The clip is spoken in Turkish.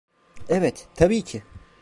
Evet, tabii ki.